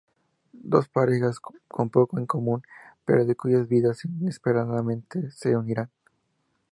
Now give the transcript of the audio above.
Dos parejas con poco en común, pero que cuyas vidas inesperadamente se unirán.